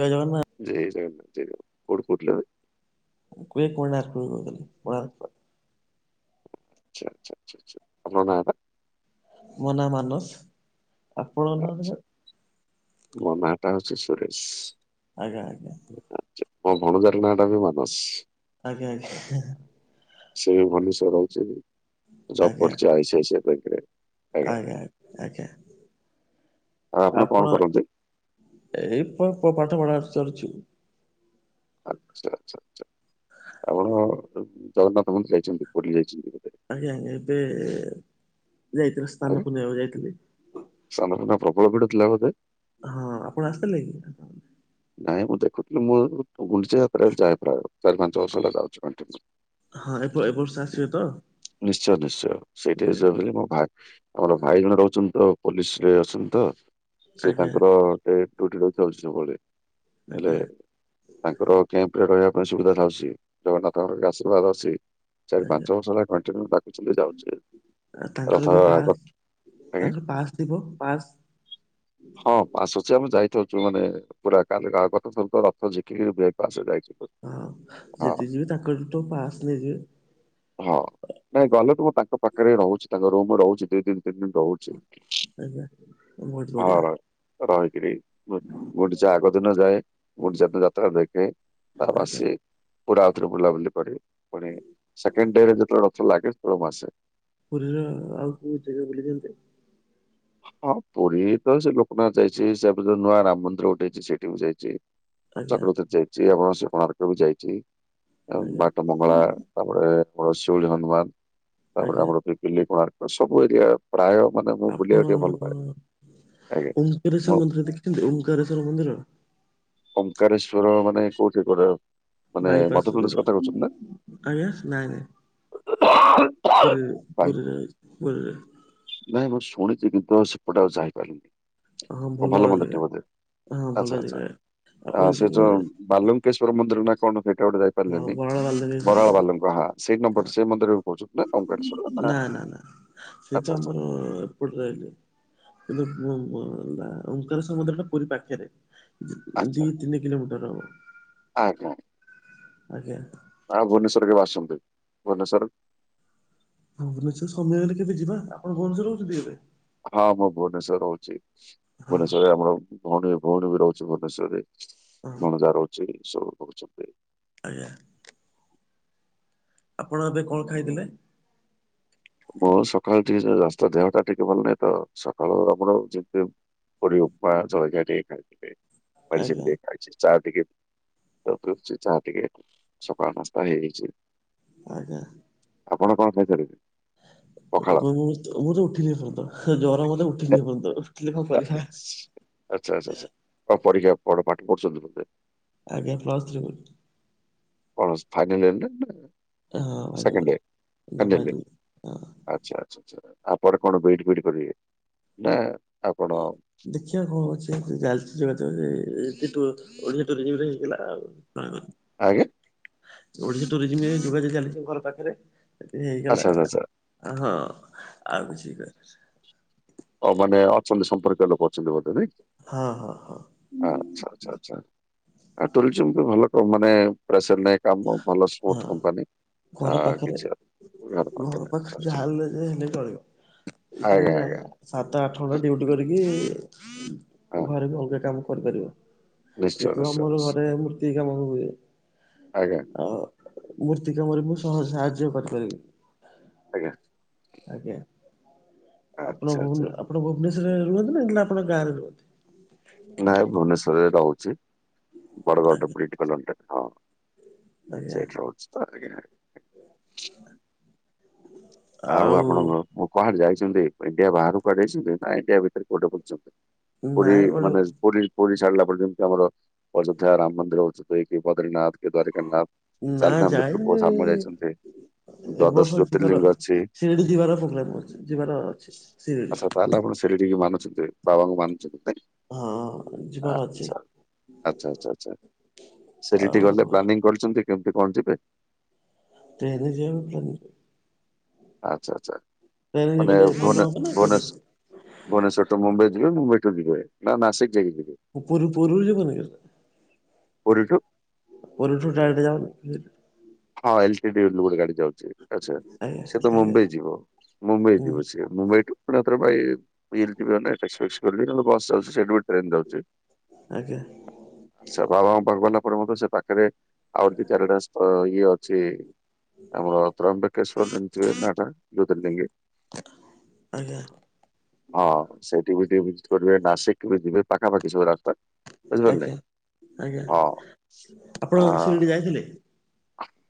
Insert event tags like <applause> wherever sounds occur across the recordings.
ଜୟ ଜଗନ୍ନା। ଜୟ ଜଗନ୍ନା, ଜୟ ଜଗନ। କଉଠୁ କହୁଥିଲେ ଭାଇ? କୁଏ କୋଣାର୍କ ରୁ କହୁଥିଲି କୋଣାର୍କ। ଚ୍ଛା ଚ୍ଛା ଚ୍ଛା ଚ୍ଛା ଆପଣଙ୍କ ନାଁ ଟା? ମୋ ନା ମାନସ। ଆପଣଙ୍କ ନାଁ ଆଚ୍ଛା ଟା <unintelligible> ମୋ ନାଁ ଟା ହଉଛି, ସୁରେଶ। ଆଜ୍ଞା ଆଜ୍ଞା। ଆଛା, ମୋ ଭଣଜାର ନାଁ ଟା ବି ମାନସ। ଆଜ୍ଞା ଆଜ୍ଞା। ସେ ବି ଭୁଅନେଶର ରହୁଚି। ଆଜ୍ଞା ଯବ୍ ଆଜ୍ଞା କରୁଛି ଆଇସି ଆଇସି ଆଇ ବ୍ୟାଙ୍କରେ। ଆଜ୍ଞା। ଆଜ୍ଞା, ଆଉ କଣ ଆପଣ କରନ୍ତି? ଏଇ ପ୍ପ ପାଠ ପଢା ଚାରଚି। ଆଛା ଚ୍ଛା ଛା, ଆପଣ ଜଗନ୍ନାଥ ମନ୍ଦିର ଯାଇଛନ୍ତି, ପୁରୀ ଯାଇଛନ୍ତି କେବେ? ଆଜ୍ଞା ଆଜ୍ଞା, ଏବେ ଯାଇଥିଲି, ଆଜ୍ଞା ସ୍ନାନ ପୂର୍ଣ୍ଣିମାକୁ ଯାଇଥିଲି। ସ୍ନାନ ପୂର୍ଣ୍ଣା ପ୍ରବଳ ଭିଡ଼ ଥିଲା ବୋଧେ। ହଁ, ଆପଣ ଆସିଥିଲେ କି? ନାଇଁ, ମୁଁ ଦେଖୁଥିଲି। ମୁଁ ଗୁଣ୍ଡିଚା ଯାତ୍ରା ଯାଏ ପ୍ରାୟ। ଚାରି ପାଞ୍ଚ ବର୍ଷ ହେଲା ଯାଉଛି କଣ୍ଟିନିୟୁ। ହଁ, ଏପ ଏବର୍ଷ ଆସିବେ ତ? ନିଶ୍ଚୟ, ନିଶ୍ଚୟ, ସେଇଠି ଯେ <unintelligible> ମୋ ଭା ଆମର ଭାଇ ଜଣେ ରହୁଛନ୍ତି ତ, ପୋଲିସ ରେ ଅଛନ୍ତି ତ, ସେ ଆଜ୍ଞା ତାଙ୍କର ଏ ଟୁଟୁ ଟା ଚାଲୁଛି ତମଆଡ଼େ, ଆଜ୍ଞା ହେଲେ ତାଙ୍କର କେମ୍ପରେ ରହିବା ପାଇଁ ସୁବିଧା ଥାଉଛି। ଜଗନ୍ନାଥଙ୍କର ଆଶୀର୍ବାଦ ଅଛି। ଚାରି ପାଞ୍ଚ ବର୍ଷ ହେଲା <unintelligible> ଯାଉଚି ଆ, ରଥ ତାଙ୍କର ବି ଆଗ। ପାସ୍! ଆଜ୍ଞା ତାଙ୍କର ପାସ୍ ଥିବ ପାସ୍। ହଁ, ପାସ୍ ଅଛି। ଆମେ ଯାଇଥାଉଛୁ ମାନେ ପୁରା କାଲି ରା ଗତ ଥର ତ, ରଥ ଝିକିକି ବ୍ରେକ୍ ପାସ୍ ଯାଇଛୁ <unintelligible> ହଁ, ଯେତେ ଯିବେ ତାଙ୍କଠୁ ତ ପାସ୍ ନେଇଯିବେ। ହଁ, ନାଇଁ ଗଲେ ତ, ମୁଁ ତାଙ୍କ ପାଖରେ ହି ରହୁଛି, ତାଙ୍କ ରୁମ୍ ରହୁଛି ଦି ଦିନ ଦିନେ ଦଉଛି। ଆଜ୍ଞା ବହୁତ ହ ବଢିଆ ରହିକିରି ମୁଁ ଗୁଣ୍ଡିଚା ଆଗଦିନ ଯାଏ। ଗୁଣ୍ଡିଚା ଦିନ ଯାତ୍ରା ଦେଖେ, ଆଜ୍ଞା। ତାବାସେ ପୁରା ଆଉଥରେ ବୁଲାବୁଲି କରି, ପୁଣି ସେକେଣ୍ଡ ଡେରେ ଯେତେଳେ ରଥ ଲାଗେ, ମୁଁ ଆସେ। ପୁରୀର ଆଉ କୋଉ ଜେଗା ବୁଲିଚନ୍ତି? ହଁ, ପୁରୀ ତ ସେଇ ଲୋକନାଥ ଯାଇଛି। ସେ ପର ଯ ନୂଆ ରାମ ମନ୍ଦିର ଗୋଟେ ହେଇଛି, ସେଇଠି ବି ଯାଇଛି। ଆଜ୍ଞା ଚକ୍ରତରେ ଯାଇଛି, ଆମ ସେ କଣାର୍କ ବି ଯାଇଛି। ଆଉ ଆଜ୍ଞା ବାଟ ମଙ୍ଗଳା, ତା'ପରେ ଆମର ଶିଉଳି ହନୁମାନ। ତା'ପରେ ଆଜ୍ଞା। ଆମର ପି ପିଲି, କୋଣାର୍କ ସବୁ ଏରିଆ ପ୍ରାୟ ମାନେ ମୁଁ ବୁଲିବା ଓଙ୍କାରେଶ୍ୱର ମୁଁ ମନ୍ଦିର ଦେଖିଛନ୍ତି? ଓଙ୍କାରେଶ୍ୱର ମନ୍ଦିର! ଓଙ୍କାରେଶ୍ଵର ମାନେ କୋଉଠି କଉଟା? ମାନେ ବାଇପାସ୍ ମଧପଲେଶ୍ ରୋଡ୍ କଥା କହୁଚନ୍ ନା? ଆଜ୍ଞା ନାଇଁ ନାଇଁ ପୁରୀରେ, ପୁରୀରେ ଅଛି, ପୁରୀରେ। ନାଇଁ, ମୁଁ ଶୁଣିଛି। କିନ୍ତୁ, ଆଉ ସେପଟେ ଆଉ ଯାଇପାରିଲିନି। ହଁ ଓ ଭଲ ମନ୍ଦରେ ଜାଗା ଟିଏ ବୋଧେ! ହଁ ଭଲ ଆଛା ଜାଗା। ଆଛା। ଆ ଆପଣ ସେ ଯିବେ ଯୋଉଁ ବାଲଙ୍କେଶ୍ଵର ମନ୍ଦିର ନା କଣ? ସେଇଟା ଗୋଟେ ଯାଇ ହଁ ପାରିଲେନି, ବରାଳ ବାଲଦେବୀଶ୍ୱର ବରାଳ ମନ୍ଦିର ବାଲାଙ୍କୁ ସେଇ ନମ୍ବର ସେଇ ମନ୍ଦିରେ ବି କହୁଛନ୍ତି, କେ ଶୁଣିଲ ନା? ସେଇ ଆଚ୍ଛା ତ ଆଚ୍ଛା। ଆମର ରହ କିନ୍ତୁ ଅଙ୍କାର ସମୁଦ୍ରଟା ପୁରୀ ପାଖରେ। ଆଚ୍ଛା ଦି ତିନି କିଲୋମିଟର ହବ। ଆଜ୍ଞା। ଆଜ୍ଞା। ହଁ ଭୁବନେଶ୍ୱର କେବେ ଆସନ୍ତି? ଭୁବନେଶର ଭୁବନେଶ୍ୱର ସମୟ ହେଲେ କେବେ ଯିବା, ଆପଣ ଭୁବନେଶ୍ୱର ରହୁଛନ୍ତି କି ଏବେ? ହଁ ମୁଁ ଭୁଅନେଶ୍ୱର ରେ ରହୁଛି, ହଁ। ଭୁବନେଶ୍ୱରରେ ଆମର ଭଉଣୀ, ଭଉଣୀ ବି ରହୁଛି ଭୁବନେଶ୍ୱର ରେ ହଁ ଭଣଜା ରହୁଛି, ସବୁ ରହୁଛନ୍ତି। ଆଜ୍ଞା ଆପଣ ଏବେ କଣ ଖାଇଥିଲେ? ମୁଁ ସକାଳୁ ରା ଦେହ ଟା ଟିକେ ଭଲ ନାହିଁ ତ ସକାଳୁ ଆମର ଯେମ ପୁରୀ ଉପମା ଜଳଖିଆ ଟିକେ ଖାଇଥିଲି, ଆଜ୍ଞା <unintelligible> ଚା ଟିକେ <unintelligible> ଯାହା ଟିକେ ସକାଳ ନାସ୍ତା ହେଇଯାଇଛି। ଆଜ୍ଞା। ଆପଣ କଣ ଖାଇସାରିବେ? ମଁ ତ ଉଠି ନେଇ ଏପରନ୍ତ, ଗରମତ ଉଠିନି ଏ ପରନ୍ତ। ଆଛା ଆଛା ଆଛା, ପରୀକ୍ଷା ପାଠ ପଢୁଛନ୍ତି ବୋଧେ? ଆଜ୍ଞା plus three. Final year final second year final ଇ ହଁ। ଆଛା ଆଛା ଆଛା, ଆପରେ କଣ ବିଇଡି ଫିଇଡି କରିବେ ନା ଆପଣ? ଦେଖିବା କଣ ହଉଛି, <unintelligible> ଓଡ଼ିଆ ତ ରିୟୁଜ୍ ହେଇଥିଲା ଆଉ ଆଜ୍ଞା। ଓଡ଼ିଶା ଟୁରିଜିମ୍ ରେ ଯୋଗାଯୋଗ ଚାଲିଛି ଘର ପାଖରେ, ଯଦି ଆଚ୍ଛା ହେଇଗଲା ଆଚ୍ଛା ଆଚ୍ଛା <unintelligible> ଅ ମାନେ ଅଛନ୍ତି ସମ୍ପର୍କୀୟ ଲୋକ ଅଛନ୍ତି ବୋଧେ ନାଇଁ? ହଁ ହଁ ହଁ। ଆଛା ଆଛା ଆଛା, ଆ ଟୁରିଜମ୍ କୁ ଭଲକମ୍ ମାନେ ପ୍ରେସର ନାଇ କାମ, ଭଲ ସ୍ମୁଥ୍ ହଁ କମ୍ପାନୀ। ଆ ଘର ପାଖରେ, କିଛି ଅ- ଘର ପାଖରେ ଯାହା ହେଲେ ଯେ ହେଲେ ଚଳିବ। ଆଜ୍ଞା ଆଜ୍ଞା। ସାତଆଠ ଘଣ୍ଟା ହଁ ଡିଉଟି କରିକି, ହଁ ଘରେ ବି ଅଲଗା କାମ କରିପାରିବ। ନିଶ୍ଚୟ ଏତୁ ନିଶ୍ଚୟ ଆମର ନିଶ୍ଚୟ ଘରେ ମୂର୍ତ୍ତି କାମ ହୁଏ। ଆଜ୍ଞା ଆଉ ମୂର୍ତ୍ତି କାମରେ ମୁଁ ସହଜ ସାହାଯ୍ୟ କରି ପାରିବି ଆଜ୍ଞା ଆଜ୍ଞା ଆପଣ ଆଚ୍ଛା ଆଚ୍ଛା ଭୁବୁନେ ଆପଣ ଭୁବନେଶ୍ୱରରେ ରୁହନ୍ତି ନା କି ନା ଆପଣ ଗାଁରେ ରୁହନ୍ତି? ନାଇଁ ଭୁବନେଶ୍ୱର ରେ ରହୁଛି ଵଡ଼ଗଡ଼ର ବ୍ରିଟ୍ କଲୋନୀରେ। ହଁ। ଆଜ୍ଞା ସେଇଠି ରହୁଛି ତ ଟିକେ ଆଉ ଆପଣ ମୁଁ କୁଆଡେ଼ ଯାଇଛନ୍ତି? ଇଣ୍ଡିଆ ବାହାରୁ କୁଆଡେ଼ ଯାଇଛନ୍ତି, ନା ଇଣ୍ଡିଆ ଭିତରେ କୋଉଠେ ବୁଲିଛନ୍ତି? ପୁରୀ ନାଇଁ ଗୋଟେ ମାନେ ଜ୍ ପୁରୀ ପୁରୀ ଛାଡ଼ିଲା ପରେ ଯେମିତି ଆମର ଅଯୋଧ୍ୟା ରାମ୍ ମନ୍ଦିର ହେଉଛି କି, ବଦିର୍ ନାଥ କି, ଦ୍ୱାରିକା ନାଥ୍ ନା ଯାଇନି ଏବ ଦ୍ଵାଦଶ ବର୍ଷ ଯିବାର ଜ୍ୟୋତିର୍ଲିଙ୍ଗ ଅଛି। ଅ ସିରିଡ଼ି ଯିବାର ପ୍ରୋଗ୍ରାମ୍ କରୁଚି, ଯିବାର ଅଛି, ଆଚ୍ଛା ସିରିଡ଼ି। ତାହେଲେ ଆପଣ ସିରିଡ଼ି କୁ ମାନୁଛନ୍ତି, ବାବାଙ୍କୁ ମାନୁଛନ୍ତି ନାଇଁ ହଁ ଯିବାର ଅଛି। ଆଛା ଆଛା ଆଛା ଆଛା ସେଠିକି ଟି ଆଉ ଗଲେ ପ୍ଲାନିଂ କରିଛନ୍ତି କେମିତି କଣ ଯିବେ? ଟେନ୍ ଯିବା ପାଇଁ ପ୍ଲାନି କ? ଆଛା ଆଛା ଟ୍ରେନରେ ମାନେ ଗଲେ ଭଲ ଭୋନେ ହବ ନା କୋଉଠି? ଭୋନେଶ୍ ଭୁନେଶ୍ୱର ଟୁ ମୁମ୍ବାଇ ଯିବେ ମୁମ୍ବାଇଠୁ ଯିବେ ନା ନାସିକ୍ ଯାଇକି ଯିବେ? ମୁଁ ପୁରୀ ପୁରୀରୁ ଯିବିନି ଏକା ପୁରିଠୁ? ପୁରୀଠୁ ଡାଇରେକ୍ଟେ ଯାଉନି। ହଁ ଏଲଟିଡି ଏବେ ଗୋଟେ ଗାଡ଼ି ଯାଉଚି ଆଛା ଆଜ୍ଞା ସିଏ ତ ଆଜ୍ଞା ମୁମ୍ବାଇ ଯିବ ମୁମ୍ବାଇ ହୁଁ ଯିବ ସିଏ। ମୁମ୍ବାଇ ଠୁ ପୁରା <inaudible> ଭାଇ। ବିଲ୍ ଠୁ ଟ୍ରେନ୍ ଏକ୍ ପ୍ରେସ୍ ଯାଉଛି <inaudible> ନହେଲେ ବସ୍ ଯାଉଚି ସେଠୁ ଗୋଟେ ଟ୍ରେନ ଯାଉଚି। ଆଜ୍ଞା। ସେ ବାବାଙ୍କ ପାଖକୁ ଗଲା ପରେ ମଧ୍ୟ ସେ ପାଖରେ ଆହୁରି ଦିଇ ଚାରିଟା <unintelligible> ଇଏ ଅଛି ଆମର <unintelligible> ନାଁଟା ଜୋତିର୍ଲିିଙ୍ଗ। ଆଜ୍ଞା। ହଁ ସେଇଠି ବି ଟିକେ ଭିଜିଟ୍ କରିବେ ନାସିକ୍ ବି ଯିବେ ପାଖାପାଖି ସବୁ ରାସ୍ତା। ବୁଝିପାରିଲେ ଆଜ୍ଞା ଆଜ୍ଞା ହଁ ଆପଣ ଶିରିଡି ଅଁ। ଯାଇଥିଲେ।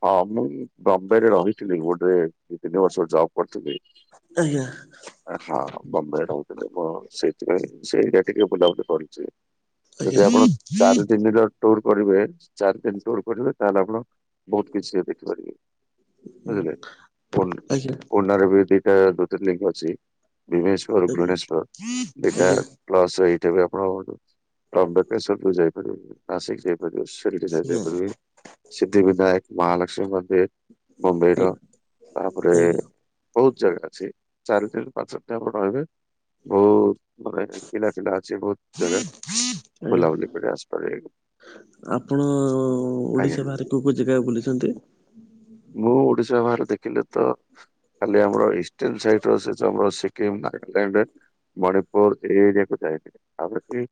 ହଁ ମୁଁ ବମ୍ବେରେ ରହିଥିଲି ଗୋଟେ ଦି ତିନି ବର୍ଷ ଜବ୍ କରିଥିଲି। ଆଜ୍ଞା। ହଁ ବମ୍ବେରେ ରହୁଥିଲେ ମୁଁ ସେଥିପାଇଁ ସେଇଟା ଟିକେ ବୁଲାବୁଲି କରିଚି। ଆଜ୍ଞା ଆଜ୍ଞା ଯଦି ଆପଣ ଚାରିଦିନି ର ଟୁର୍ କରିବେ ଚାରିଦିନ୍ ଟୁର କରିବେ ତାହେଲେ ଆପଣ ବହୁତ୍ କିଛି ସେ ଦେଖିପାରିବେ ବୁଝିଲେ ଫୋନରେ ଆଜ୍ଞା ଆଜ୍ଞା କୋନାରେ ବି ଦିଇଟା। ଜୋତିର୍ଲିଙ୍ଗ ଅଛି ଭୀମେଶ୍ଵର, ଘୃଣେଶ୍ଵର ଦିଇଟା ଆଜ୍ଞା ପ୍ଲସ ଏଇଠା ବି ଆପଣଙ୍କର <unintelligible> ଯାଇପାରିବେନି ନାସିକ ଯାଇପାରିବେ। ଆଜ୍ଞା <unintelligible> <unintelligible> ମହାଲକ୍ଷ୍ମୀ ମନ୍ଦିର ମୁମ୍ବାଇର ତାପରେ ଆଜ୍ଞା ବହୁତ ଜାଗା ଅଛି। ଚାରି ଦିନ ପାଞ୍ଚ ଦିନ ଆପଣ ରହିବେ। ବହୁତ ମାନେ କିଲା ଫିଲା ଅଛି। ବହୁତ ଜାଗା ବୁଲାବଲି କରିକି ଆସି ପାରିବେ କି ଆପଣ ଆଜ୍ଞା ଓଡିଶା ବାହାରେ କୋଉ କୋଉ ଜାଗା ବୁଲିଚନ୍ତି? ମୁଁ ଓଡିଶା ବାହାରେ ଦେଖିଲେ ତ ଖାଲି ଆମର ଇଷ୍ଟନ ସାଇଡର ସେ ଜବର୍ ସି ସିମ୍ ନାଗାଲାଣ୍ଡ ମଣିପୁରର୍ ଏ ଇରିଆକୁ ଯାଇ ଆର କି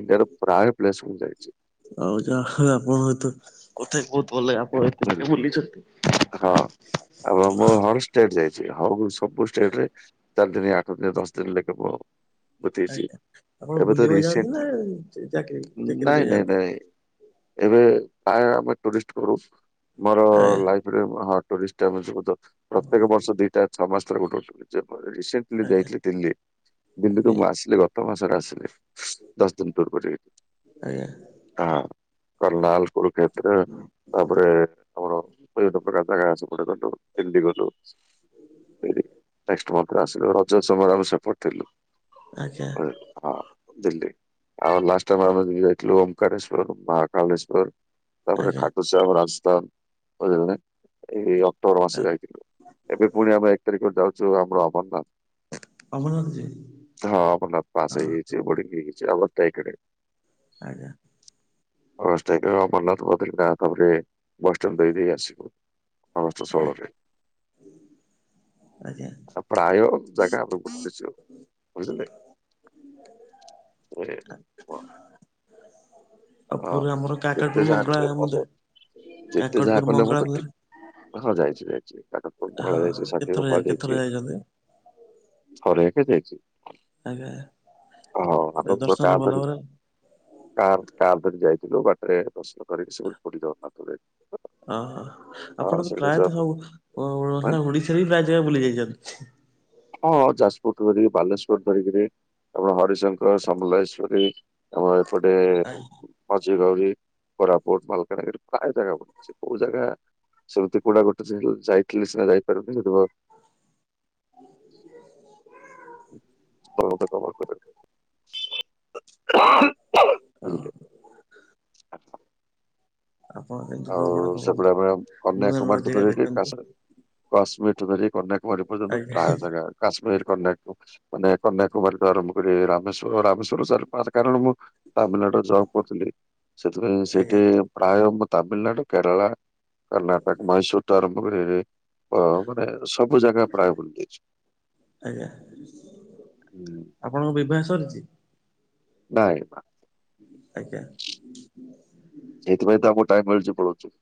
ଇଣ୍ଡିଆର ପ୍ରାୟ ପ୍ଲେସ ମୁଁ ଯାଇଚି। ଆଉ ଯାହା ହୋଉ ଆପଣ ସହିତ କଥାହେଇ ବୋହୁତ ଭଲ ଲା ଆପଣ ଏତେ ଜାଗା ବୁଝିଲେ ବୁଲିଚନ୍ତି। ହଁ ଆ ମୁଁ ହରଷ୍ଟେଟ ଯାଇଚି ହ ସବୁ ଷ୍ଟେଟ୍ ରେ ଚାରି ଦିନି ଆଠ ଦିନି ଦଶ ଦିନ ଲେଖା ପଳୋଉ। ବୋହୁତ ଇଜି ଆଜ୍ଞା। ଆପଣ ଏବେ ତ ବୁଲିବାକୁ ଯାଆନ୍ତି ନା ରିସେଣ୍ଟଲି ଚାକିରି ଚାକିରି ନାଇଁ ପାଇଁ ନାଇଁ ଯାଆନ୍ତି? ନାଇଁ ଏବେ ପ୍ରାୟ ଆମେ ଟୁରିଷ୍ଟ କରୁ ମୋର ଆଜ୍ଞା ଲା ହଁ ଟରିଷ୍ଟ ଯ ପ୍ରତ୍ୟେକ ବର୍ଷ ଦିଟା ଛଅ ମାସ ଗୋଟେ ଗୋଟେ ରିଶି ଲି ଆଜ୍ଞା ଯାଇଥିଲି ଦିଲ୍ଲୀ ତ ଆଜ୍ଞା ମୁଁ ଆସିଲେ ର ତ ମାସରେ ଆସିଲେ ଦଶ ଦିନ ପୂର୍ବଯେ ଆଜ୍ଞା। ହଁ କରନାଲ କୁରୁକ୍ଷେତ୍ର ତାପରେ ଆମର ବିଭିନ୍ନ ପ୍ରକାର ଜାଗା ଅସ ଗୋଟେ ଗଲୁ ଡି ଗଲୁ। ରେ ଆସିଲୁ ରଜ ସମୟରେ ଆମେ ସେପଠଥିଲୁଁ। ଆଜ୍ଞା ଆଜ୍ଞା ଦିଲ୍ଲୀ ଆଉ ଲାଷ୍ଟ ଟାଇମ ଆମେ ଏୁ ଓମ୍କେଶ୍ଵର ମହାକାଳେଶ୍ଵର ତାପରେ ଆଜ୍ଞା ଆସାମ, ରାଜସ୍ଥାନ <unintelligible> ଏଇ ଅକ୍ଟୋବର ମାସ ଯାଇଥିଲୁ। ଏବେ ଫୁଣି ଆମେ ଏକ ତାରିଖରେ ଯାଉଚୁ ଆମର ଅମରନାଥ। ଅମରନାଥ ଯିବେ? ହଁ ହଁ ମନତ ପାସ ହଁ ହେଇ ଯାଇଚି, ବଡିଙ୍ଗ ହେଇ ଯାଇଚି ଅଗଷ୍ଟ ଏକ ରେ। ଆଜ୍ଞା। <unintelligible> ଅମରନାଥ ବଦ୍ରିନାଥ ତାପରେ ବସ୍ ଷ୍ଟପ ଦେଇ ଦେଇ ଆସିବୁ। ସମସ୍ତ ସରେ ଆଜ୍ଞା ଆ ପ୍ରାୟ ଜାଗା <unintelligible> ବୁଝିଲେ। ଓ ଏ ଆଉ ହଁ ପୁରା ଆମର ଯେତେ କାକଟପୁର ଯାହା ମଙ୍ଗଳା ବ ମତ ମନ୍ଦିର ଯେତେ ଯାହା କାକଟପୁର କଲେ ମଙ୍ଗଳା ମୋତ ମନ୍ଦିର ଟି ହଁ ଯାଇଚି ଯାଇଚି <unintelligible> ହଁ ମଙ୍ଗଳା ଯାଇଚି ସାକ୍ଷି କେତେଥର ଗୋପାଳ କେତେଥର ଯାଇଚି। ଯାଇଛନ୍ତି? ଥରେକ ଯାଇଚି ଆଜ୍ଞା ଓ ହ ଏ ଆମଙ୍କ ଦର୍ଶନ ତା ଭଲ ଧରି ଭାବରେ କା କାଲ ତକ ଯାଇଥିଲୁ ବାଟରେ ଦର୍ଶନ କରିକି ସେଠ ପଡିଦଉନାଥ ଯାଇ ଓହୋ ହଁ ଆପଣ ତ ସେଇଠି ଯ ପ୍ରାୟତଃ ହବ ଉଁ ଓଡିଶାରେ ବି ପ୍ରାୟ ଜାଗା ବୁଲି ଯାଇଛନ୍ତି। ହଁ ଯାଜପୁରଠୁ ଧରିକି ବାଲେଶ୍ଵର ଧରିକିରି ଆମର ହରିଶଙ୍କର, ସମଲେଇଶ୍ଵରୀ ଆମର ଏପଟେ ମାଝଗାଉରି, କୋରାପୁଟ, ମାଲକାନଗିରି ପ୍ରାୟ ଜାଗା ବଛି କୋଉ ଜାଗା ଶମୃତି କୁଡା ଗୋଟେ ଯାଇଥିଲି ସିନା ଯାଇପାରୁନି କିନ୍ତୁ ଭ <inaudible> <unintelligible> ହଁ। <inaudible> ଆପଣ ଯା ଆଉ ସେପଟେ ଆମର କନ୍ୟା କୁମାରୀ ଠୁ ଜାଗା ଧରି ଟିକେ ଦେଖନ୍ତୁ କାସ୍ କାଶ୍ମୀର ଠୁ ଧରିକି କନ୍ୟାକୁମାରୀ ପର୍ଯ୍ୟନ୍ତ ଆଜ୍ଞା ପ୍ରାୟ ଜାଗା। କାଶ୍ମୀର କନ୍ୟାକୁ ମାନେ କନ୍ୟାକୁମାରୀ ଠୁ ଆରମ୍ଭ କରି ରାମେଶ୍ଵର ରାମେଶ୍ଵର ଚାରି ପାଞ୍ଚ କାରଣ ମୁଁ। ତାମିଲନାଡୁ ରେ ଜବ୍ କରୁଥିଲି। ସେଥିପାଇଁ ସେଇଠି ଆଜ୍ଞା ପ୍ରାୟ ମୁଁ ତାମିଲନାଡୁ କେରଳା କର୍ଣ୍ଣାଟକ ମହୀଶୂର ଠୁ ଆରମ୍ଭ ଆ ଅ ମାନେ ସବୁ ଜାଗା ପ୍ରାୟ ବୁଲି ଦେଇଛି। ଆଜ୍ଞା ହୁଁ। ଆପଣଙ୍କ ବିବାହ ସରିଛି? ନାଇଁ ବା। ଆଜ୍ଞା। ସେଇଥିପାଇଁ ତ ଆମକୁ ଟାଇମ ମିଳୁଛି ପଳଉଛୁ।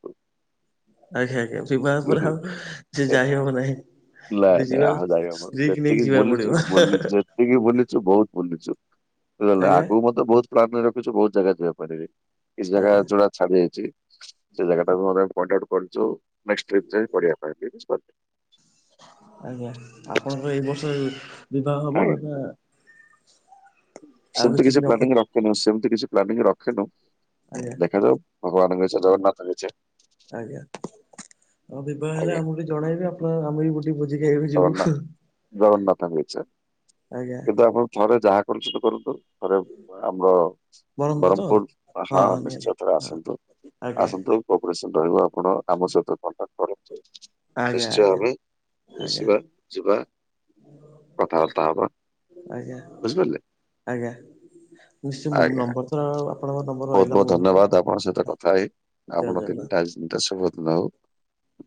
ଆଜ୍ଞା ଆଜ୍ଞା ବିବାହ ପରେ ଆଉ ଯେ ଯାଇ ହବ ନାହିଁ। ନାଇଁ ଯଦି ନାଇଁ ଯିବ ଆଉ ଯାଇ ସ୍ତ୍ରୀକି ନେଇକି ଯିବାକୁ ପଡିବ। ଜେତିକି ବୁଲିଚୁ ବହୁତ ବୁଲିଚୁ ବୁଝିଲେନା ଆଜ୍ଞା। ଆଗକୁ ମତେ ବହୁତ ପ୍ଲାନରେ ରଖିଛୁ ବହୁତ ଜାଗା ଯିବା ପାଇଁ କିଛି ଜାଗା ଆଜ୍ଞା ଯୋଟା। ଛାଡ଼ି ଯାଇଛି ସେ ଜାଗା ଟାକୁ ଆମେ ପଏଣ୍ଟ ଆଉଟ କରିଛୁ ନେଷ୍ଟ ଟ୍ରିପ ଯାଇ ପଡ଼ିବା ପାଇଁ। ଆଜ୍ଞା ଆପଣଙ୍କର ଏଇ ବର୍ଷ ବିବାହ ହବ ନା ଆଉ ସେମତି କିଛି ଦିନ ଅପ ପ୍ଲାନିଂ ରଖିନୁ ସେମିତି କିଛି ପ୍ଲାନିଂ ରଖିନୁ ଆଜ୍ଞା ଦେଖାଯାଉ। ଭଗବାନଙ୍କ ଇଚ୍ଛା ଜଗନ୍ନାଥ ଙ୍କ ଇଚ୍ଛା ଆଜ୍ଞା ହଁ ବିବାହ ହେଲେ ଆଜ୍ଞା ଆମକୁ ଟିକେ ଜଣେଇବି ଆପଣ ଆମେ ବି ଗୋଟେ ଭୋଜି ଖାଇବାକୁ ଜଗନ୍ନାଥ ଯିବୁ। ଜଗନ୍ନାଥଙ୍କ ଇଚ୍ଛା ଆଜ୍ଞା କିନ୍ତୁ ଆପଣ ଥରେ ଯାହା କରୁଛନ୍ତି କରନ୍ତୁ ଥରେ ଆମର ବ୍ରହ୍ମପୁର ହଁ ନିହାତି ନିଶ୍ଚିନ୍ତ ଥରେ ହଁ ଆସନ୍ତୁ ଆଜ୍ଞା ଆସନ୍ତୁ କୋପରେସନ ରହିବ ଆପଣ ଆମ ସହିତ କଣ୍ଟାକ୍ଟ କରନ୍ତୁ। ଆଜ୍ଞା ନିଶ୍ଚୟ ଆଜ୍ଞା। ଆମେ ଆଜ୍ଞା ମିଶିବା ଯିବା। କଥାବାର୍ତ୍ତା ହେବା ଆଜ୍ଞା ବୁଝିପାରିଲେ। ଆଜ୍ଞା। ନିଶ୍ଚୟ ମୁଁ ଆଜ୍ଞା ନମ୍ବର। ର ଆପଣଙ୍କ ନମ୍ବର ବହୁତ ରହିଲା ମୋ ବହୁତ ପାଖରେ ଧନ୍ୟବାଦ ଆପଣଙ୍କ ସହିତ କଥା ହେଇ ଜୟ ଆପଣ ତିନିଟା ଜଗନ୍ନାଥ। ଶୁଭ ଦିନ ହଉ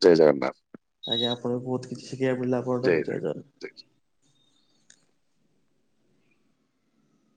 ଜୟ ଜଗନ୍ନାଥ। ଆଜ୍ଞା ଆପଣଙ୍କଠୁ ବହୁତ କିଛି ଶିଖିବାକୁ ମିଳିଲା ଆପଣଙ୍କ ଠାରୁ ଜୟ ଜଗନ୍ନାଥ।